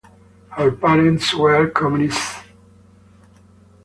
Her parents were communists and Jewish.